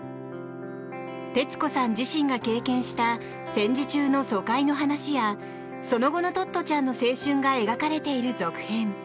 徹子さん自身が経験した戦時中の疎開の話やその後のトットちゃんの青春が描かれている続編。